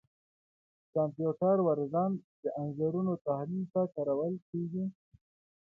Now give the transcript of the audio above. کمپیوټر وژن د انځورونو تحلیل ته کارول کېږي.